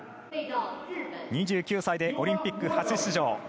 ２９歳でオリンピック初出場。